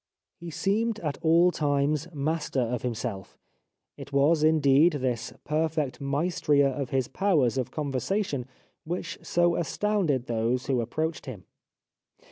He seemed at all times master of himself ; it was, indeed, this perfect maestria of his powers of conversation which so astounded those who approached him.